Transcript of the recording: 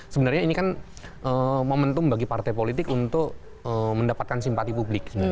sebenarnya ini kan momentum bagi partai politik untuk mendapatkan simpati publik